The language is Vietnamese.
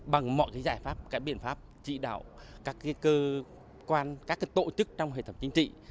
bằng mọi cái giải pháp cái biện pháp chỉ đạo các cơ quan các tổ chức trong hệ thập chính trị